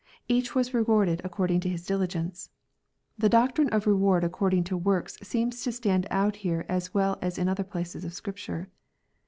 Each was rewarded according to his diligence. The doctrine of reward according to works seems to stand out here as well as in other places of Scripture.